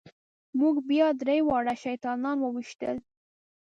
موږ بیا درې واړه شیطانان وويشتل.